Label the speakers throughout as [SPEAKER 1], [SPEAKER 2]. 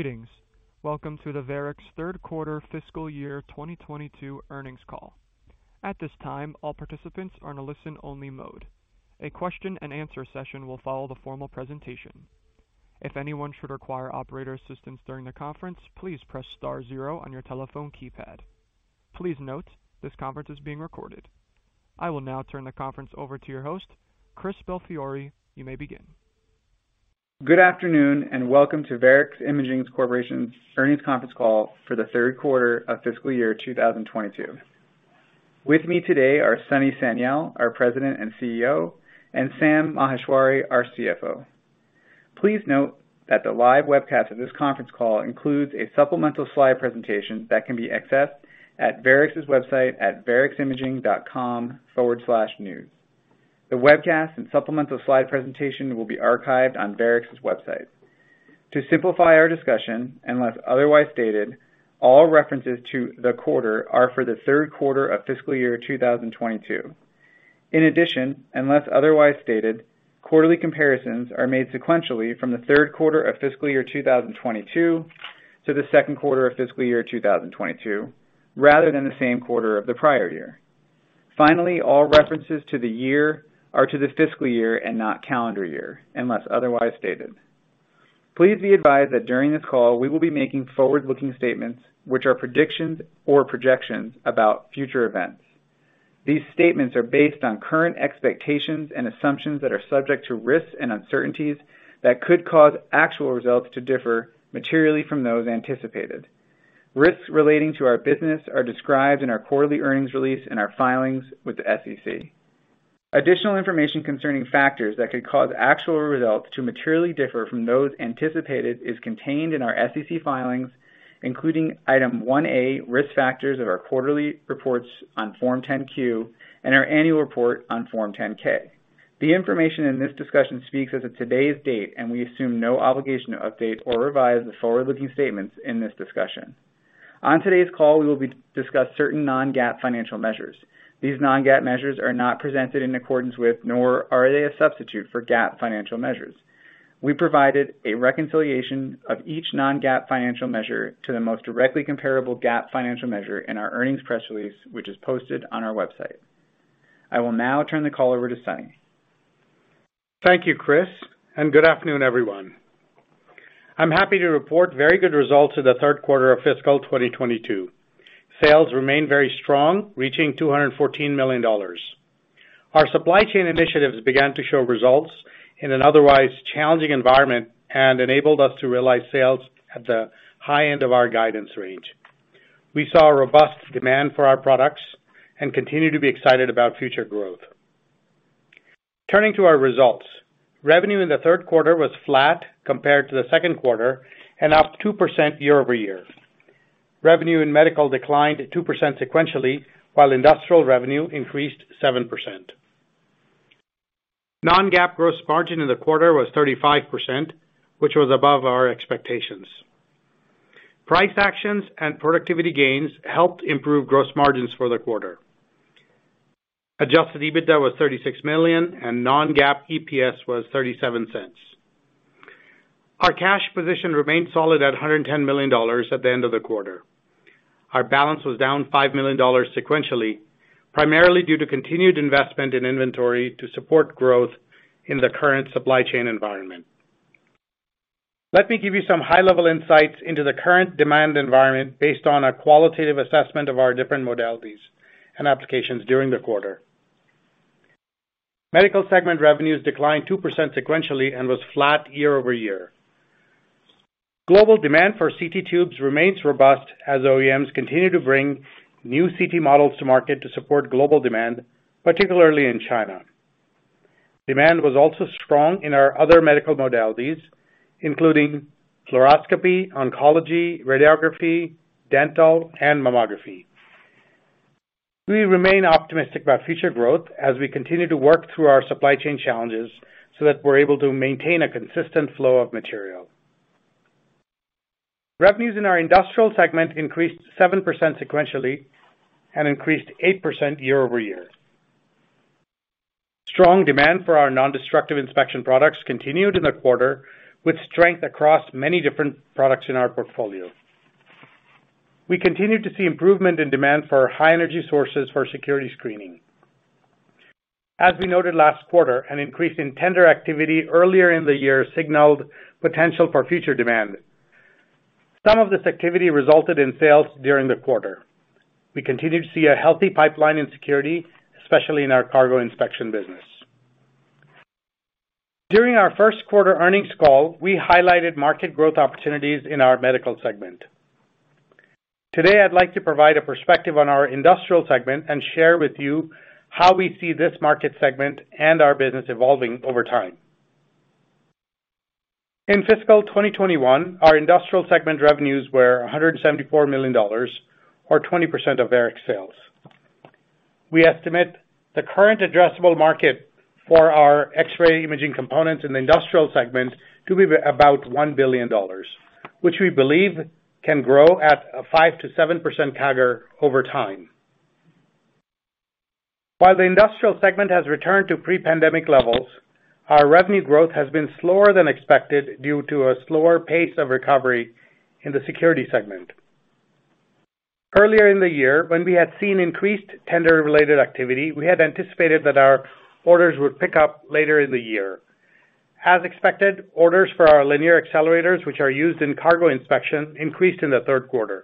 [SPEAKER 1] Greetings. Welcome to the Varex Q3 fiscal year 2022 earnings call. At this time, all participants are in a listen-only mode. A question and answer session will follow the formal presentation. If anyone should require operator assistance during the conference, please press star zero on your telephone keypad. Please note, this conference is being recorded. I will now turn the conference over to your host, Christopher Belfiore. You may begin.
[SPEAKER 2] Good afternoon and welcome to Varex Imaging Corporation's earnings conference call for the Q3 of fiscal year 2022. With me today are Sunny Sanyal, our President and CEO, and Sam Maheshwari, our CFO. Please note that the live webcast of this conference call includes a supplemental slide presentation that can be accessed at Varex's website at vareximaging.com/news. The webcast and supplemental slide presentation will be archived on Varex's website. To simplify our discussion, unless otherwise stated, all references to the quarter are for the Q3 of fiscal year 2022. In addition, unless otherwise stated, quarterly comparisons are made sequentially from the Q3 of fiscal year 2022 to the Q2 of fiscal year 2022, rather than the same quarter of the prior year. Finally, all references to the year are to the fiscal year and not calendar year, unless otherwise stated. Please be advised that during this call, we will be making forward-looking statements, which are predictions or projections about future events. These statements are based on current expectations and assumptions that are subject to risks and uncertainties that could cause actual results to differ materially from those anticipated. Risks relating to our business are described in our quarterly earnings release and our filings with the SEC. Additional information concerning factors that could cause actual results to materially differ from those anticipated is contained in our SEC filings, including Item 1A, Risk Factors of our quarterly reports on Form 10-Q and our annual report on Form 10-K. The information in this discussion speaks as of today's date, and we assume no obligation to update or revise the forward-looking statements in this discussion. On today's call, we will discuss certain non-GAAP financial measures. These non-GAAP measures are not presented in accordance with, nor are they a substitute for GAAP financial measures. We provided a reconciliation of each non-GAAP financial measure to the most directly comparable GAAP financial measure in our earnings press release, which is posted on our website. I will now turn the call over to Sunny.
[SPEAKER 3] Thank you, Chris, and good afternoon, everyone. I'm happy to report very good results for the Q3 of fiscal 2022. Sales remained very strong, reaching $214 million. Our supply chain initiatives began to show results in an otherwise challenging environment and enabled us to realize sales at the high end of our guidance range. We saw a robust demand for our products and continue to be excited about future growth. Turning to our results. Revenue in the Q3 was flat compared to the Q2 and up 2% year-over-year. Revenue in medical declined 2% sequentially, while industrial revenue increased 7%. Non-GAAP gross margin in the quarter was 35%, which was above our expectations. Price actions and productivity gains helped improve gross margins for the quarter. Adjusted EBITDA was $36 million, and non-GAAP EPS was $0.37. Our cash position remained solid at $110 million at the end of the quarter. Our balance was down $5 million sequentially, primarily due to continued investment in inventory to support growth in the current supply chain environment. Let me give you some high-level insights into the current demand environment based on a qualitative assessment of our different modalities and applications during the quarter. Medical segment revenues declined 2% sequentially and was flat year-over-year. Global demand for CT tubes remains robust as OEMs continue to bring new CT models to market to support global demand, particularly in China. Demand was also strong in our other medical modalities, including fluoroscopy, oncology, radiography, dental, and mammography. We remain optimistic about future growth as we continue to work through our supply chain challenges so that we're able to maintain a consistent flow of material. Revenues in our industrial segment increased 7% sequentially and increased 8% year-over-year. Strong demand for our nondestructive inspection products continued in the quarter with strength across many different products in our portfolio. We continued to see improvement in demand for high energy sources for security screening. As we noted last quarter, an increase in tender activity earlier in the year signaled potential for future demand. Some of this activity resulted in sales during the quarter. We continue to see a healthy pipeline in security, especially in our cargo inspection business. During our Q1 earnings call, we highlighted market growth opportunities in our medical segment. Today, I'd like to provide a perspective on our industrial segment and share with you how we see this market segment and our business evolving over time. In fiscal 2021, our industrial segment revenues were $174 million or 20% of Varex sales. We estimate the current addressable market for our X-ray imaging components in the industrial segment to be about $1 billion, which we believe can grow at a 5% to 7% CAGR over time. While the industrial segment has returned to pre-pandemic levels, our revenue growth has been slower than expected due to a slower pace of recovery in the security segment. Earlier in the year, when we had seen increased tender-related activity, we had anticipated that our orders would pick up later in the year. As expected, orders for our linear accelerators, which are used in cargo inspection, increased in the Q3.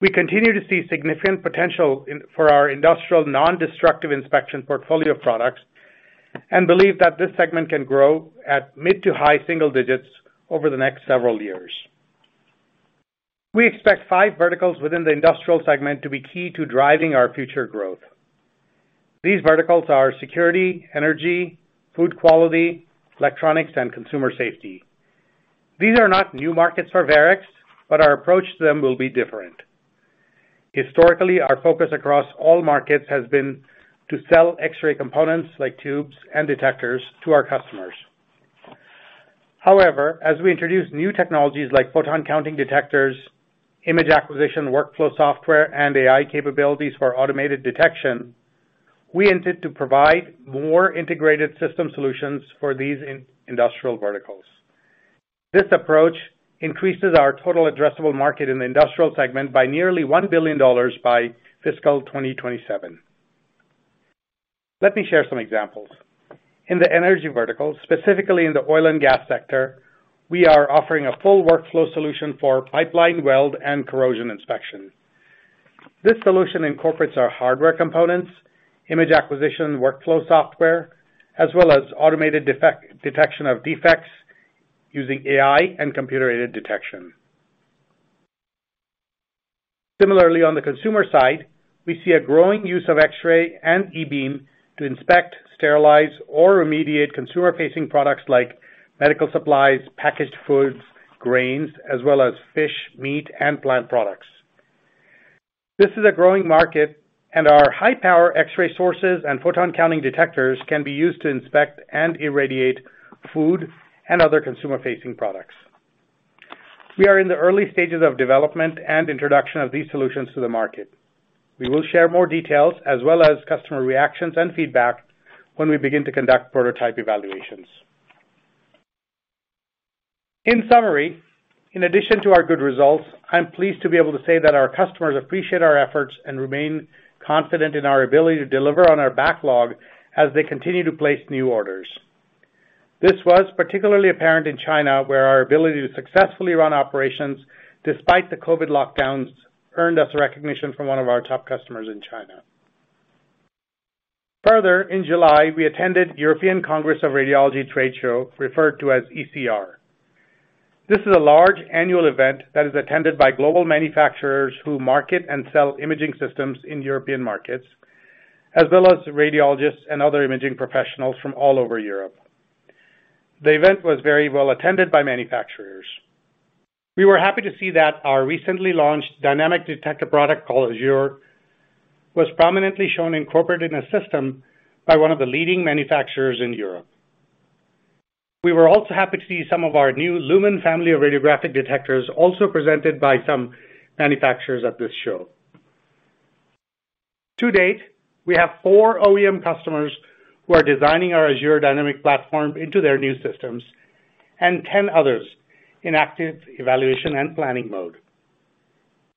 [SPEAKER 3] We continue to see significant potential for our industrial non-destructive inspection portfolio of products, and believe that this segment can grow at mid- to high-single digits% over the next several years. We expect 5 verticals within the industrial segment to be key to driving our future growth. These verticals are security, energy, food quality, electronics, and consumer safety. These are not new markets for Varex, but our approach to them will be different. Historically, our focus across all markets has been to sell X-ray components, like tubes and detectors to our customers. However, as we introduce new technologies like photon counting detectors, image acquisition workflow software, and AI capabilities for automated detection, we intend to provide more integrated system solutions for these industrial verticals. This approach increases our total addressable market in the industrial segment by nearly $1 billion by fiscal 2027. Let me share some examples. In the energy vertical, specifically in the oil and gas sector, we are offering a full workflow solution for pipeline weld and corrosion inspection. This solution incorporates our hardware components, image acquisition workflow software, as well as automated detection of defects using AI and computer-aided detection. Similarly, on the consumer side, we see a growing use of X-ray and e-beam to inspect, sterilize or remediate consumer-facing products like medical supplies, packaged foods, grains, as well as fish, meat, and plant products. This is a growing market, and our high-power X-ray sources and photon counting detectors can be used to inspect and irradiate food and other consumer-facing products. We are in the early stages of development and introduction of these solutions to the market. We will share more details as well as customer reactions and feedback when we begin to conduct prototype evaluations. In summary, in addition to our good results, I'm pleased to be able to say that our customers appreciate our efforts and remain confident in our ability to deliver on our backlog as they continue to place new orders. This was particularly apparent in China, where our ability to successfully run operations despite the COVID lockdowns earned us recognition from one of our top customers in China. Further, in July, we attended European Congress of Radiology trade show, referred to as ECR. This is a large annual event that is attended by global manufacturers who market and sell imaging systems in European markets, as well as radiologists and other imaging professionals from all over Europe. The event was very well attended by manufacturers. We were happy to see that our recently launched dynamic detector product called Azure was prominently shown incorporated in a system by one of the leading manufacturers in Europe. We were also happy to see some of our new Lumen family of radiographic detectors also presented by some manufacturers at this show. To date, we have 4 OEM customers who are designing our Azure dynamic platform into their new systems, and 10 others in active evaluation and planning mode.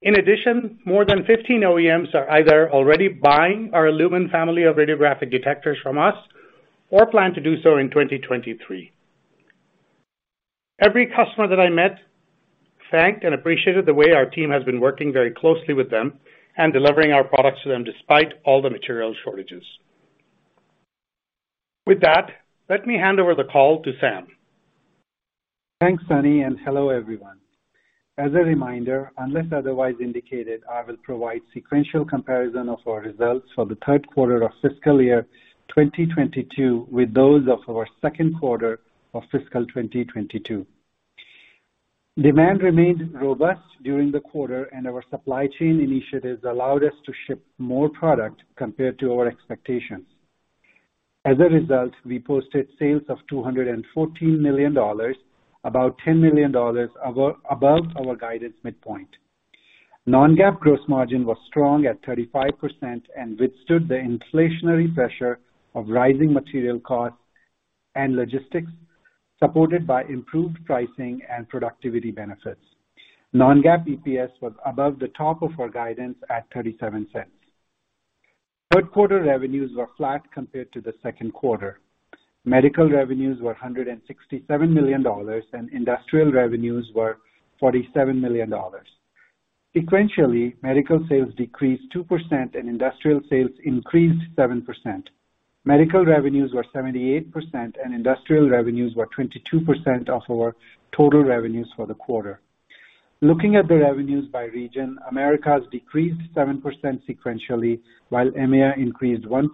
[SPEAKER 3] In addition, more than 15 OEMs are either already buying our Lumen family of radiographic detectors from us or plan to do so in 2023. Every customer that I met thanked and appreciated the way our team has been working very closely with them and delivering our products to them despite all the material shortages. With that, let me hand over the call to Sam.
[SPEAKER 4] Thanks, Sunny, and hello, everyone. As a reminder, unless otherwise indicated, I will provide sequential comparison of our results for the Q3 of fiscal year 2022 with those of our Q2 of fiscal 2022. Demand remained robust during the quarter, and our supply chain initiatives allowed us to ship more product compared to our expectations. As a result, we posted sales of $214 million, about $10 million above our guidance midpoint. Non-GAAP gross margin was strong at 35% and withstood the inflationary pressure of rising material costs and logistics, supported by improved pricing and productivity benefits. Non-GAAP EPS was above the top of our guidance at $0.37. Q3 revenues were flat compared to the Q2. Medical revenues were $167 million, and industrial revenues were $47 million. Sequentially, medical sales decreased 2%, and industrial sales increased 7%. Medical revenues were 78%, and industrial revenues were 22% of our total revenues for the quarter. Looking at the revenues by region, Americas decreased 7% sequentially, while EMEA increased 1%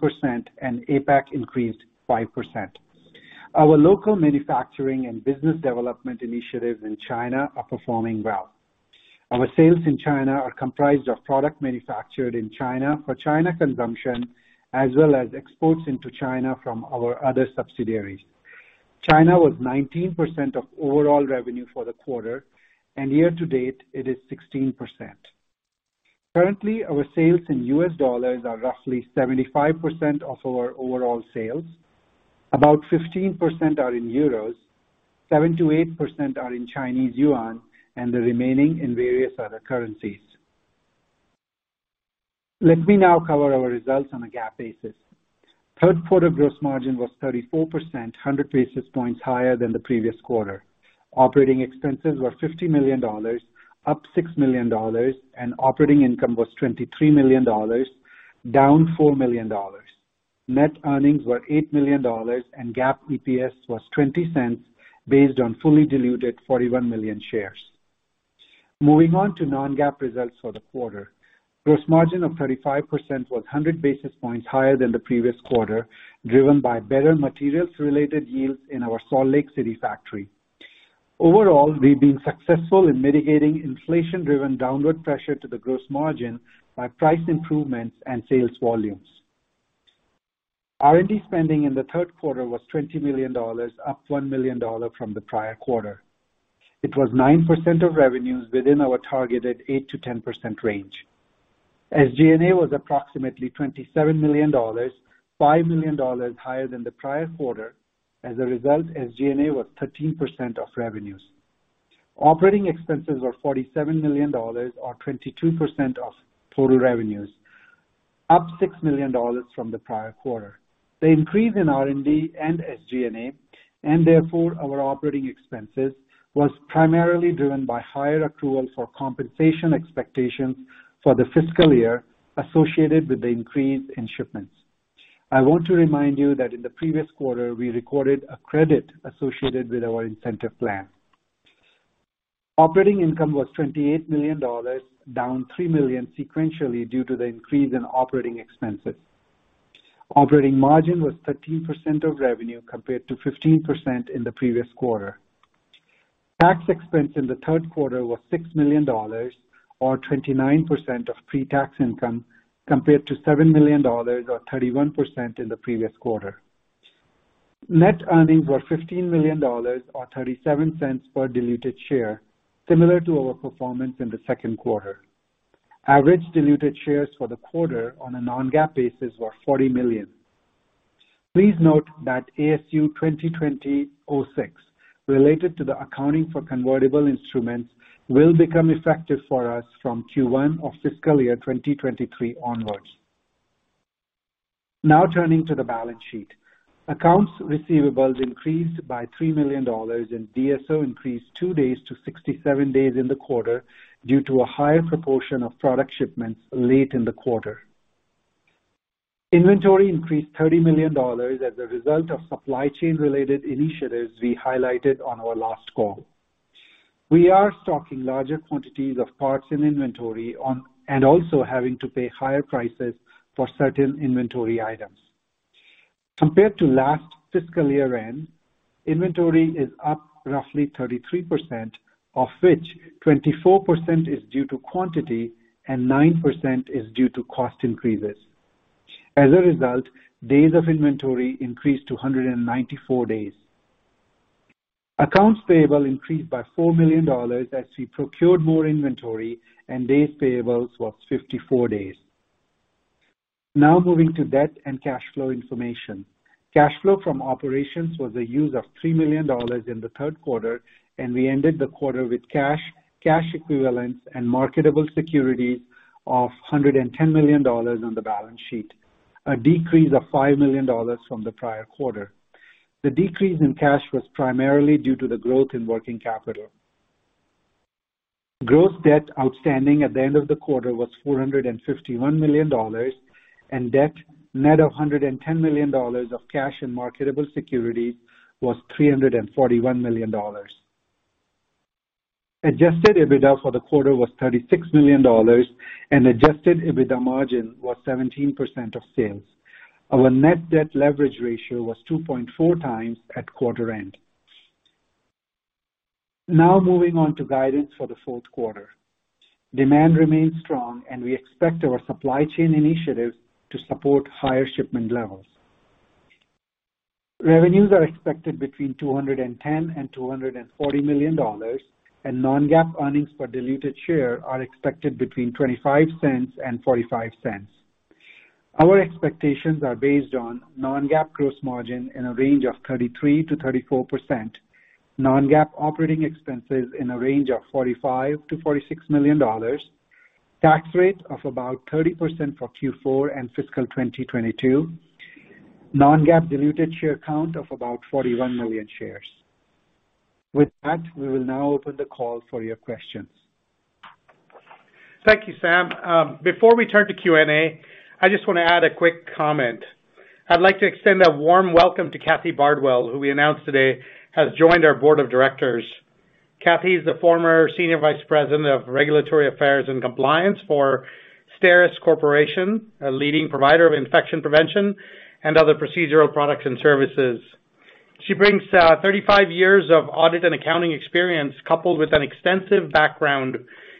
[SPEAKER 4] and APAC increased 5%. Our local manufacturing and business development initiatives in China are performing well. Our sales in China are comprised of product manufactured in China for China consumption as well as exports into China from our other subsidiaries. China was 19% of overall revenue for the quarter, and year to date, it is 16%. Currently, our sales in US dollars are roughly 75% of our overall sales. About 15% are in euros, 7% to 8% are in Chinese yuan, and the remaining in various other currencies. Let me now cover our results on a GAAP basis. Q3 gross margin was 34%, 100 basis points higher than the previous quarter. Operating expenses were $50 million, up $6 million, and operating income was $23 million, down $4 million. Net earnings were $8 million, and GAAP EPS was $0.20, based on fully diluted 41 million shares. Moving on to non-GAAP results for the quarter. Gross margin of 35% was 100 basis points higher than the previous quarter, driven by better materials-related yields in our Salt Lake City factory. Overall, we've been successful in mitigating inflation-driven downward pressure to the gross margin by price improvements and sales volumes. R&D spending in the Q3 was $20 million, up $1 million from the prior quarter. It was 9% of revenues within our targeted 8% to 10% range. SG&A was approximately $27 million, $5 million higher than the prior quarter. As a result, SG&A was 13% of revenues. Operating expenses were $47 million or 22% of total revenues, up $6 million from the prior quarter. The increase in R&D and SG&A, and therefore our operating expenses, was primarily driven by higher accrual for compensation expectations for the fiscal year associated with the increase in shipments. I want to remind you that in the previous quarter, we recorded a credit associated with our incentive plan. Operating income was $28 million, down $3 million sequentially due to the increase in operating expenses. Operating margin was 13% of revenue compared to 15% in the previous quarter. Tax expense in the Q3 was $6 million or 29% of pre-tax income, compared to $7 million or 31% in the previous quarter. Net earnings were $15 million or $0.37 per diluted share, similar to our performance in the Q2. Average diluted shares for the quarter on a non-GAAP basis were 40 million. Please note that ASU 2020-06, related to the accounting for convertible instruments, will become effective for us from Q1 of fiscal year 2023 onwards. Now turning to the balance sheet. Accounts receivable increased by $3 million, and DSO increased 2 days to 67 days in the quarter due to a higher proportion of product shipments late in the quarter. Inventory increased $30 million as a result of supply chain related initiatives we highlighted on our last call. We are stocking larger quantities of parts in inventory and also having to pay higher prices for certain inventory items. Compared to last fiscal year end, inventory is up roughly 33%, of which 24% is due to quantity and 9% is due to cost increases. As a result, days of inventory increased to 194 days. Accounts payable increased by $4 million as we procured more inventory, and days payable was 54 days. Now moving to debt and cash flow information. Cash flow from operations was a use of $3 million in the Q3, and we ended the quarter with cash equivalents, and marketable securities of $110 million on the balance sheet, a decrease of $5 million from the prior quarter. The decrease in cash was primarily due to the growth in working capital. Gross debt outstanding at the end of the quarter was $451 million, and debt net of $110 million of cash and marketable securities was $341 million. Adjusted EBITDA for the quarter was $36 million, and adjusted EBITDA margin was 17% of sales. Our net debt leverage ratio was 2.4x at quarter end. Now moving on to guidance for the Q4. Demand remains strong and we expect our supply chain initiatives to support higher shipment levels. Revenues are expected between $210 million and $240 million, and non-GAAP earnings per diluted share are expected between $0.25 and $0.45. Our expectations are based on non-GAAP gross margin in a range of 33% to 34%, non-GAAP operating expenses in a range of $45 million ro $46 million, tax rate of about 30% for Q4 and fiscal 2022, non-GAAP diluted share count of about 41 million shares. With that, we will now open the call for your questions.
[SPEAKER 3] Thank you, Sam. Before we turn to Q&A, I just wanna add a quick comment. I'd like to extend a warm welcome to Kathy Bardwell, who we announced today, has joined our board of directors. Kathy is the former Senior Vice President of Regulatory Affairs and Compliance for STERIS Corporation, a leading provider of infection prevention and other procedural products and services. She brings 35 years of audit and accounting experience, coupled with an extensive background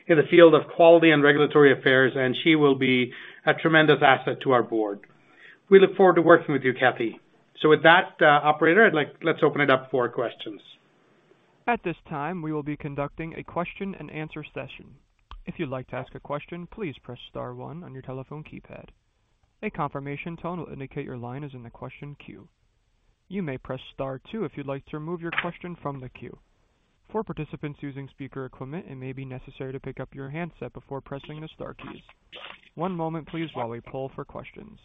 [SPEAKER 3] in the field of quality and regulatory affairs, and she will be a tremendous asset to our board. We look forward to working with you, Kathy. With that, operator, let's open it up for questions.
[SPEAKER 1] At this time, we will be conducting a question and answer session. If you'd like to ask a question, please press star one on your telephone keypad. A confirmation tone will indicate your line is in the question queue. You may press star two if you'd like to remove your question from the queue. For participants using speaker equipment, it may be necessary to pick up your handset before pressing the star keys. One moment please while we poll for questions.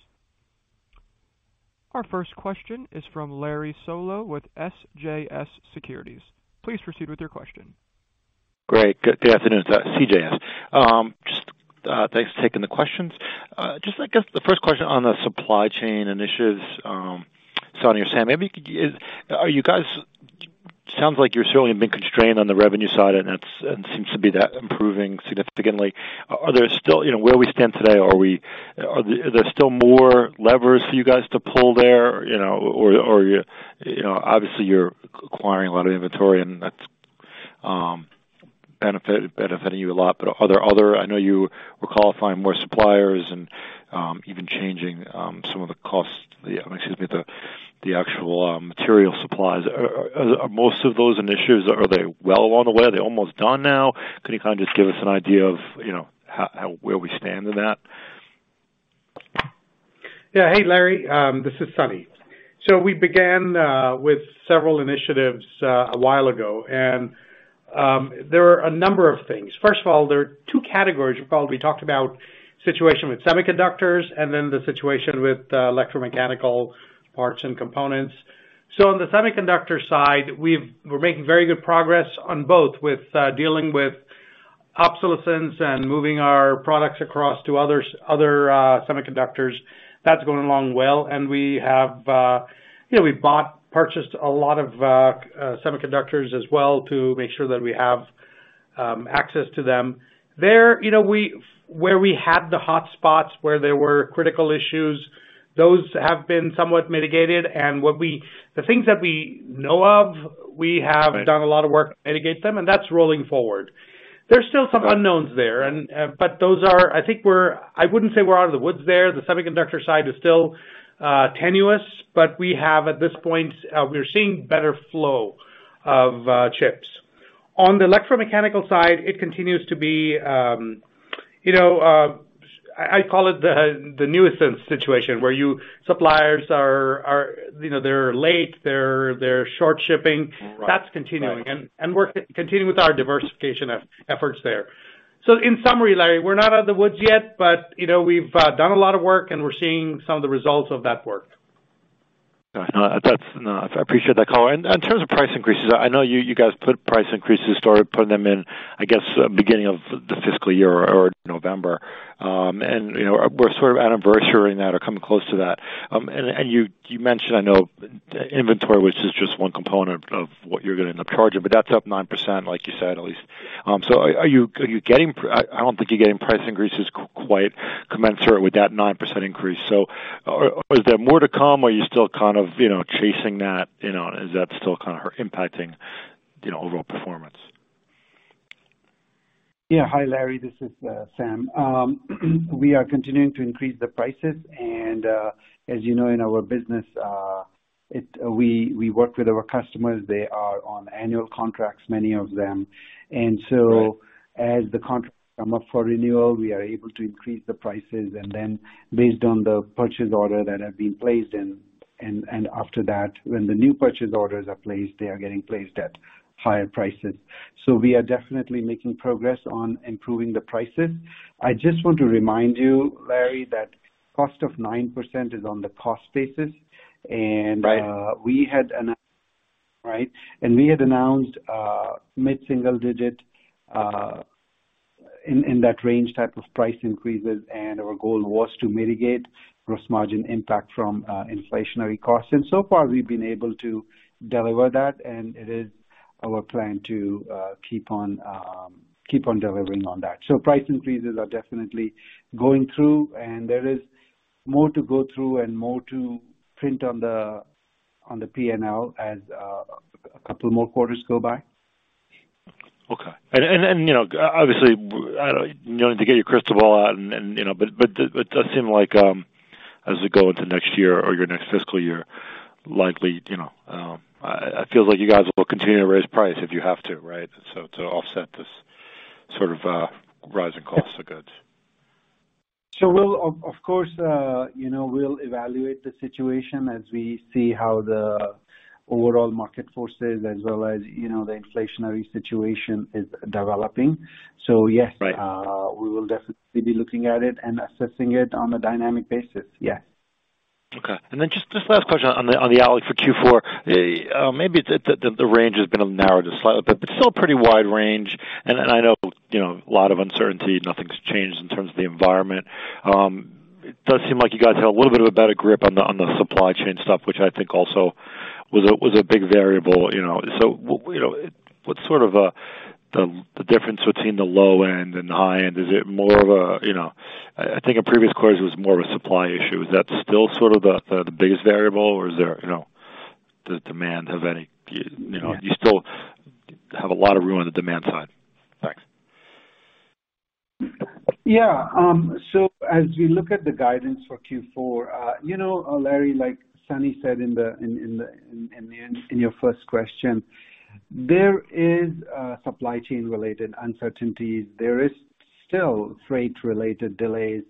[SPEAKER 1] Our 1st question is from Larry Solow with CJS Securities. Please proceed with your question.
[SPEAKER 5] Great. Good afternoon. It's CJS. Just thanks for taking the questions. Just I guess the 1st question on the supply chain initiatives, Sunny or Sam, are you guys. Sounds like you're certainly been constrained on the revenue side, and it seems to be improving significantly. Are there still, you know, where we stand today, are there still more levers for you guys to pull there, you know, or you know, obviously you're acquiring a lot of inventory and that's benefiting you a lot. But are there other, I know you were qualifying more suppliers and even changing some of the costs, excuse me, the actual material supplies. Are most of those initiatives well on the way? Are they almost done now? Can you kinda just give us an idea of, you know, how where we stand in that?
[SPEAKER 3] Hey, Larry. This is Sunny. We began with several initiatives a while ago, and there are a number of things. First of all, there are 2 categories you probably talked about, situation with semiconductors and then the situation with electromechanical parts and components. On the semiconductor side, we're making very good progress on both with dealing with obsolescence and moving our products across to other semiconductors. That's going along well. We have, you know, we bought, purchased a lot of semiconductors as well to make sure that we have access to them. You know, where we had the hotspots, where there were critical issues, those have been somewhat mitigated. The things that we know of, we have done a lot of work to mitigate them, and that's rolling forward. There's still some unknowns there and, but those are. I wouldn't say we're out of the woods there. The semiconductor side is still tenuous, but we have, at this point, we're seeing better flow of chips. On the electromechanical side, it continues to be, you know, I call it the nuisance situation where, you know, suppliers are, you know, they're late, they're short shipping.
[SPEAKER 5] Right.
[SPEAKER 3] That's continuing, and we're continuing with our diversification efforts there. In summary, Larry, we're not out of the woods yet, you know, we've done a lot of work, and we're seeing some of the results of that work.
[SPEAKER 5] Got it. No, that's no. I appreciate that color. In terms of price increases, I know you guys put price increases or putting them in, I guess, beginning of the fiscal year or November. You know, we're sort of anniversary-ing that or coming close to that. You mentioned, you know, inventory, which is just 1 component of what you're gonna end up charging, but that's up 9%, like you said, at least. Are you getting? I don't think you're getting price increases quite commensurate with that 9% increase. Are there more to come? Are you still kind of, you know, chasing that, you know? Is that still kind of impacting, you know, overall performance?
[SPEAKER 4] Hi, Larry. This is Sam. We are continuing to increase the prices and, as you know, in our business, we work with our customers. They are on annual contracts, many of them.
[SPEAKER 5] Right.
[SPEAKER 4] As the contracts come up for renewal, we are able to increase the prices and then based on the purchase order that have been placed and after that, when the new purchase orders are placed, they are getting placed at higher prices. We are definitely making progress on improving the prices. I just want to remind you, Larry Solow, that cost of 9% is on the cost basis, and.
[SPEAKER 5] Right.
[SPEAKER 4] We had announced mid-single digit in that range type of price increases, and our goal was to mitigate gross margin impact from inflationary costs. So far, we've been able to deliver that, and it is our plan to keep on delivering on that. Price increases are definitely going through, and there is more to go through and more to print on the P&L as a couple more quarters go by.
[SPEAKER 5] Okay. You know, obviously, you don't need to get your crystal ball out and, you know, but does seem like, as we go into next year or your next fiscal year, likely, you know, it feels like you guys will continue to raise price if you have to, right? So to offset this sort of rising costs are good.
[SPEAKER 4] We'll evaluate the situation as we see how the overall market forces as well as, you know, the inflationary situation is developing. Yes-
[SPEAKER 5] Right.
[SPEAKER 4] We will definitely be looking at it and assessing it on a dynamic basis.
[SPEAKER 5] Okay. Just last question on the outlook for Q4. Maybe the range has been narrowed just slightly, but it's still a pretty wide range, and I know, you know, a lot of uncertainty, nothing's changed in terms of the environment. It does seem like you guys have a little bit of a better grip on the supply chain stuff, which I think also was a big variable, you know. You know, what's sort of the difference between the low end and the high end? Is it more of a, you know. I think in previous quarters it was more of a supply issue. Is that still sort of the biggest variable, or is there, you know, the demand have any, you know, you still have a lot of room on the demand side? Thanks.
[SPEAKER 4] As we look at the guidance for Q4, you know, Larry, like Sunny said in your first question, there is supply chain related uncertainties. There is still freight related delays.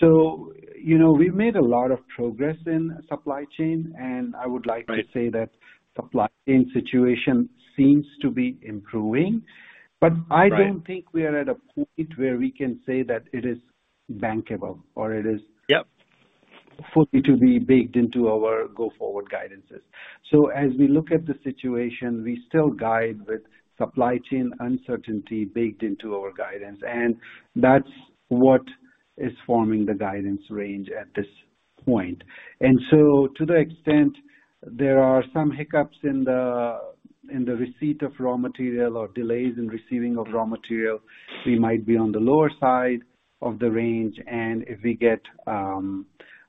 [SPEAKER 4] You know, we've made a lot of progress in supply chain, and I would like to say that supply chain situation seems to be improving, but I don't think we are at a point where we can say that it is bankable or it is
[SPEAKER 5] Yep.
[SPEAKER 4] Fully to be baked into our go forward guidance's. As we look at the situation, we still guide with supply chain uncertainty baked into our guidance, and that's what is forming the guidance range at this point. To the extent there are some hiccups in the receipt of raw material or delays in receiving of raw material, we might be on the lower side of the range. If we get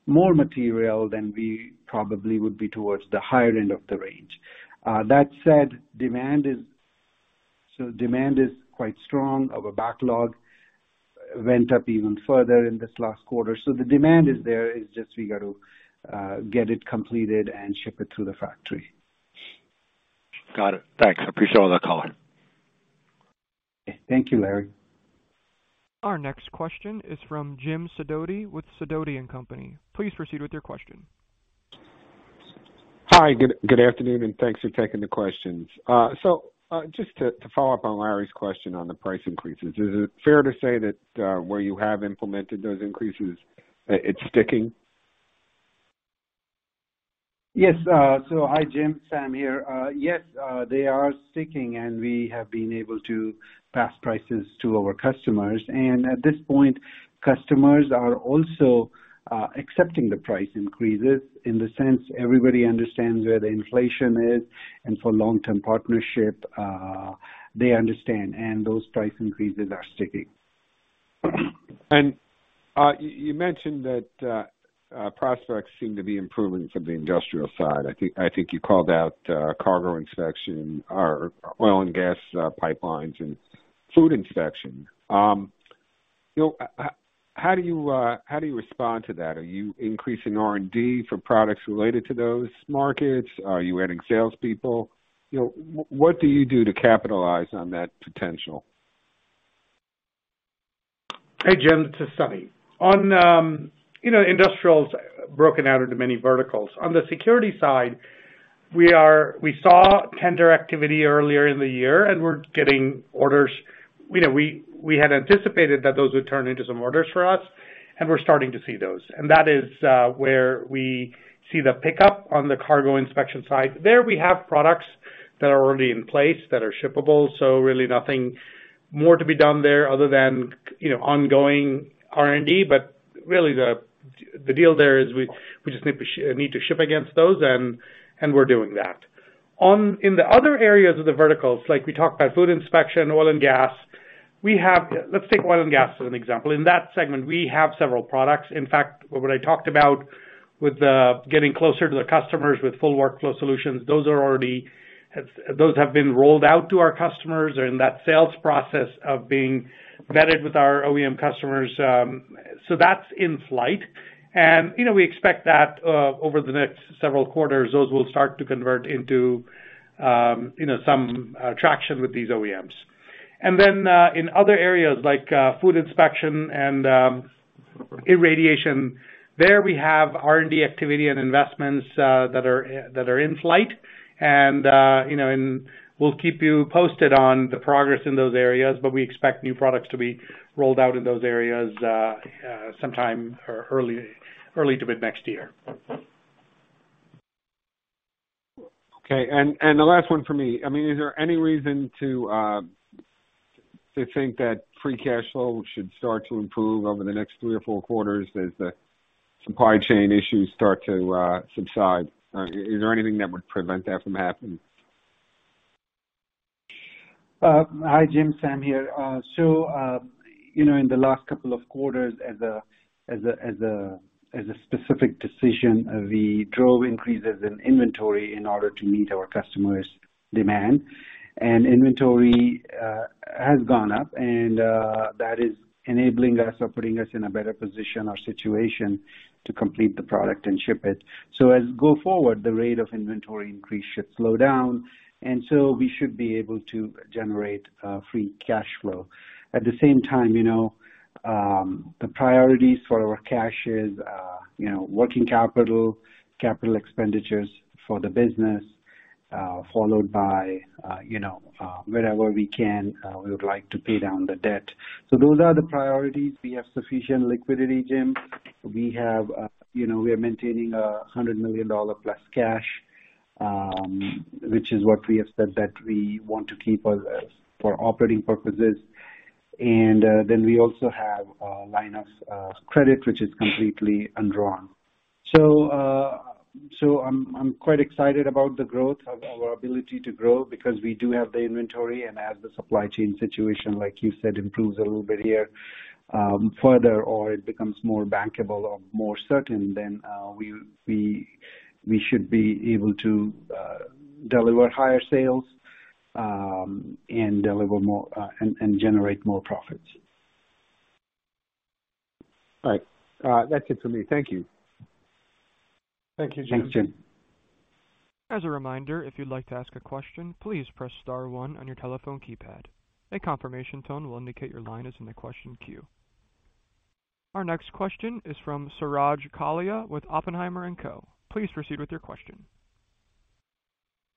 [SPEAKER 4] more material, then we probably would be towards the higher end of the range. That said, demand is quite strong. Our backlog went up even further in this last quarter. The demand is there. It's just we got to get it completed and ship it to the factory.
[SPEAKER 5] Got it. Thanks. I appreciate all the color.
[SPEAKER 4] Thank you, Larry.
[SPEAKER 1] Our next question is from Jim Sidoti with Sidoti & Company. Please proceed with your question.
[SPEAKER 6] Hi, good afternoon, and thanks for taking the questions. Just to follow up on Larry's question on the price increases, is it fair to say that where you have implemented those increases, it's sticking?
[SPEAKER 4] Yes. Hi, Jim, Sam here. Yes, they are sticking, and we have been able to pass prices to our customers. At this point, customers are also accepting the price increases in the sense everybody understands where the inflation is and for long-term partnership, they understand, and those price increases are sticking.
[SPEAKER 6] You mentioned that prospects seem to be improving from the industrial side. I think you called out cargo inspection or oil and gas pipelines and food inspection. You know, how do you respond to that? Are you increasing R&D for products related to those markets? Are you adding salespeople? You know, what do you do to capitalize on that potential?
[SPEAKER 3] Hey, Jim, it's Sunny. On you know, industrials broken out into many verticals. On the security side, we saw tender activity earlier in the year, and we're getting orders. You know, we had anticipated that those would turn into some orders for us, and we're starting to see those. That is where we see the pickup on the cargo inspection side. There we have products that are already in place that are shippable, so really nothing more to be done there other than you know, ongoing R&D. Really the deal there is we just need to ship against those, and we're doing that. In the other areas of the verticals, like we talked about food inspection, oil and gas, we have. Let's take oil and gas as an example. In that segment, we have several products. In fact, what I talked about with getting closer to the customers with full workflow solutions, those have been rolled out to our customers. They're in that sales process of being vetted with our OEM customers, so that's in flight. You know, we expect that over the next several quarters, those will start to convert into some traction with these OEMs. In other areas like food inspection and irradiation, there we have R&D activity and investments that are in flight. You know, we'll keep you posted on the progress in those areas, but we expect new products to be rolled out in those areas sometime early to mid next year.
[SPEAKER 6] Okay. The last 1 for me. I mean, is there any reason to think that free cash flow should start to improve over the next 3 or 4 quarters as the supply chain issues start to subside? Is there anything that would prevent that from happening?
[SPEAKER 4] Hi, Jim, Sam here. You know, in the last couple of quarters as a specific decision, we drove increases in inventory in order to meet our customers' demand. Inventory has gone up, and that is enabling us or putting us in a better position or situation to complete the product and ship it. As we go forward, the rate of inventory increase should slow down, and so we should be able to generate free cash flow. At the same time, you know, the priorities for our cash is, you know, working capital expenditures for the business, followed by, you know, wherever we can, we would like to pay down the debt. Those are the priorities. We have sufficient liquidity, Jim. We have, you know, we are maintaining $100 million+ cash, which is what we have said that we want to keep on hand for operating purposes. We also have a line of credit, which is completely undrawn. I'm quite excited about the growth of our ability to grow because we do have the inventory. As the supply chain situation, like you said, improves a little bit here, further or it becomes more bankable or more certain, we should be able to deliver higher sales, and deliver more, and generate more profits.
[SPEAKER 6] Right. That's it for me. Thank you.
[SPEAKER 3] Thank you, Jim.
[SPEAKER 4] Thanks, Jim.
[SPEAKER 1] As a reminder, if you'd like to ask a question, please press star one on your telephone keypad. A confirmation tone will indicate your line is in the question queue. Our next question is from Suraj Kalia with Oppenheimer & Co. Please proceed with your question.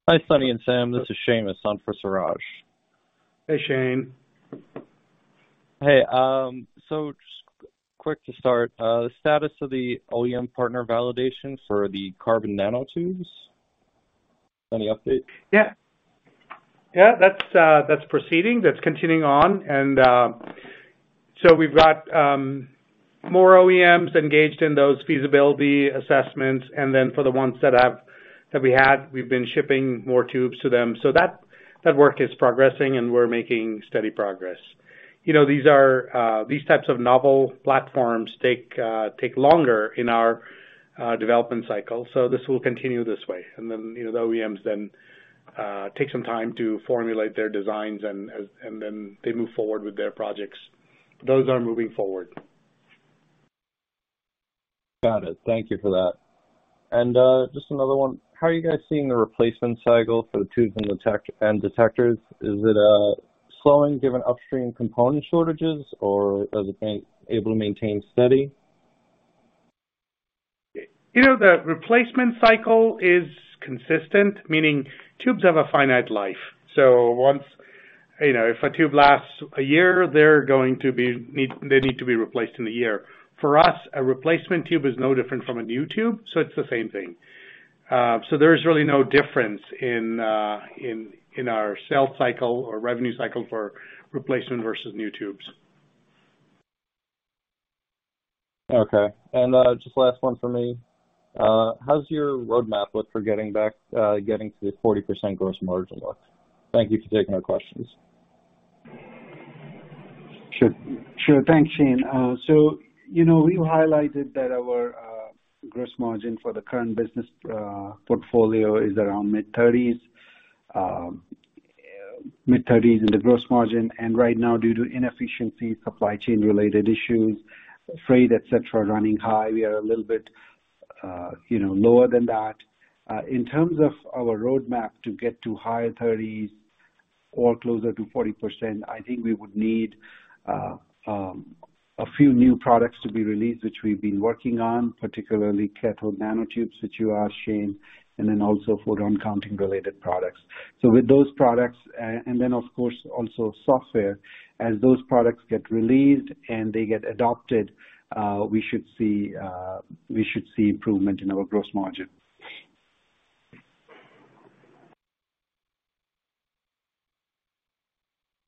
[SPEAKER 7] Hi, Sunny and Sam. This is Shane. I'm for Suraj.
[SPEAKER 3] Hey, Shane.
[SPEAKER 7] Hey. Just quick to start, the status of the OEM partner validation for the carbon nanotubes. Any update?
[SPEAKER 3] Yeah, that's proceeding. That's continuing on and we've got more OEMs engaged in those feasibility assessments, and then for the ones that we had, we've been shipping more tubes to them. That work is progressing, and we're making steady progress. You know, these are these types of novel platforms take longer in our development cycle, so this will continue this way. You know, the OEMs then take some time to formulate their designs and then they move forward with their projects. Those are moving forward.
[SPEAKER 7] Got it. Thank you for that. Just another 1. How are you guys seeing the replacement cycle for the tubes and detectors? Is it slowing given upstream component shortages or is it being able to maintain steady?
[SPEAKER 3] You know, the replacement cycle is consistent, meaning tubes have a finite life. Once you know, if a tube lasts a year, they need to be replaced in a year. For us, a replacement tube is no different from a new tube, so it's the same thing. There is really no difference in our sales cycle or revenue cycle for replacement versus new tubes.
[SPEAKER 7] Okay. Just last 1 for me. How's your roadmap look for getting back, getting to the 40% gross margin look? Thank you for taking our questions.
[SPEAKER 4] Sure. Thanks, Shane. You know, we highlighted that our gross margin for the current business portfolio is around mid-30's%. Mid-30's% in the gross margin. Right now, due to inefficiency, supply chain related issues, freight, et cetera, running high. We are a little bit you know lower than that. In terms of our roadmap to get to higher 30s% or closer to 40%, I think we would need a few new products to be released, which we've been working on, particularly carbon nanotubes that you asked, Shane, and then also photon counting related products. With those products and then of course also software. As those products get released and they get adopted, we should see improvement in our gross margin.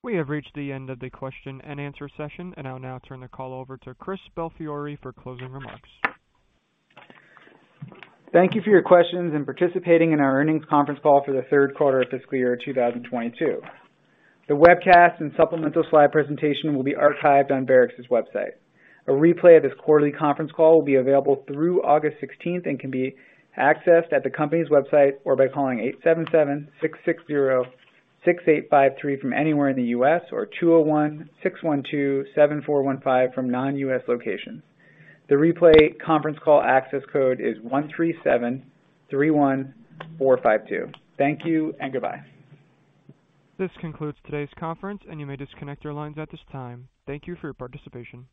[SPEAKER 1] We have reached the end of the question and answer session, and I'll now turn the call over to Christopher Belfiore for closing remarks.
[SPEAKER 2] Thank you for your questions and participating in our earnings conference call for the Q3 of fiscal year 2022. The webcast and supplemental slide presentation will be archived on Varex's website. A replay of this quarterly conference call will be available through August 16th and can be accessed at the company's website or by calling 877-660-6853 from anywhere in the U.S. or 201-612-7415 from non-U.S. locations. The replay conference call access code is 13731452. Thank you and goodbye.
[SPEAKER 1] This concludes today's conference, and you may disconnect your lines at this time. Thank you for your participation.